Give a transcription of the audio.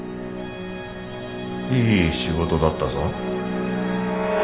いい仕事だったぞ。